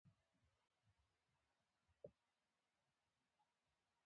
شعیب ملک یو ښه بیټسمېن دئ.